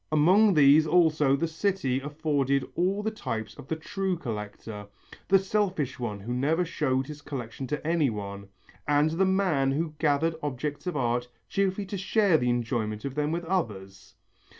Among these also the city afforded all the types of the true collector, the selfish one who never showed his collection to anyone, and the man who gathered objects of art chiefly to share the enjoyment of them with others.